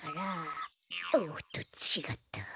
おっとちがった。